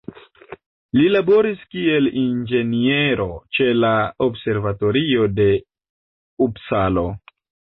Li laboris kiel inĝeniero ĉe la Observatorio de Upsalo.